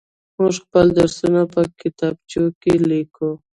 موږ خپل درسونه په کتابچو کې ليكو.